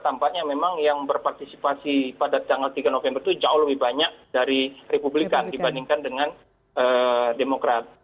tampaknya memang yang berpartisipasi pada tanggal tiga november itu jauh lebih banyak dari republikan dibandingkan dengan demokrat